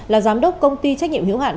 là giám đốc công ty trách nhiệm hữu hạn